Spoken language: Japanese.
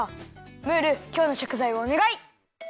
ムールきょうのしょくざいをおねがい。